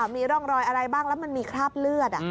มีร่องรอยอะไรบ้างแล้วมันมีคราบเลือด